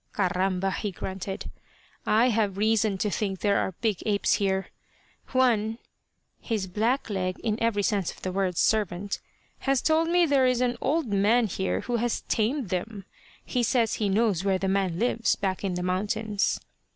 "Caramba," he grunted. "I have reason to think there are big apes here. Juan," his black leg in every sense of the word servant, "has told me there is an old man here who has tamed them. He says he knows where the man lives, back in the mountains.